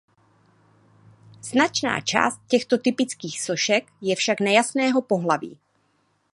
Značná část těchto typických sošek je však nejasného pohlaví.